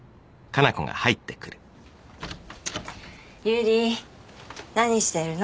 百合何してるの？